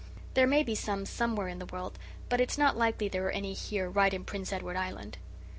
There may be some somewhere in the world, but it's not likely there are any here right in Prince Edward Island.